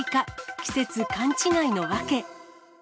季節勘違いの訳。